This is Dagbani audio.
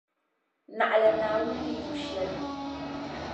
Naɣila Naawuni ni yu shɛli.